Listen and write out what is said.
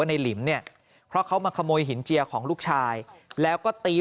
ในหลิมเนี่ยเพราะเขามาขโมยหินเจียของลูกชายแล้วก็ตี